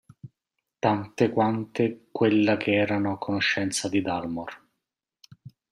Tante quante quella che erano a conoscenza di Dalmor.